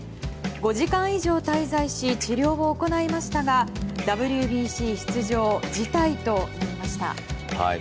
５時間以上滞在し治療を行いましたがＷＢＣ出場辞退となりました。